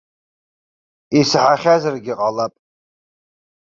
Исаҳахьазаргьы ҟалап.